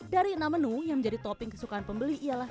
dari enam menu yang menjadi topping kesukaan pembeli ialah